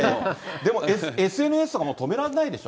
でもＳＮＳとかもう止められないでしょ。